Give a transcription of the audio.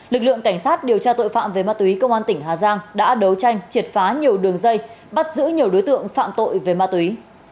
lực lượng cảnh sát điều tra tội phạm về ma túy công an tỉnh hà giang đã đấu tranh triệt phá nhiều đường dây bắt giữ nhiều đối tượng phạm tội về ma túy